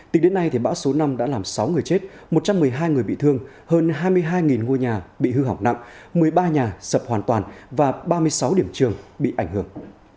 tính đến nay bão số năm đã làm sáu người chết một trăm một mươi hai người bị thương hơn hai mươi hai ngôi nhà bị hư hỏng nặng một mươi ba nhà sập hoàn toàn và ba mươi sáu điểm trường bị ảnh hưởng